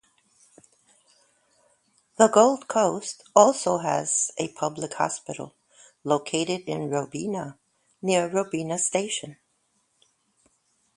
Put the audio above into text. The Gold Coast also has a public hospital located in Robina near Robina station.